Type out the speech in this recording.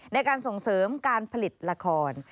ในการส่งเสริมการผลิตละคร